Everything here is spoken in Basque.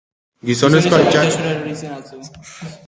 Gizonezkoa itsasora erori zen atzo.